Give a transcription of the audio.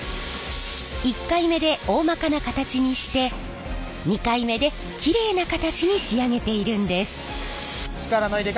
１回目でおおまかな形にして２回目できれいな形に仕上げているんです。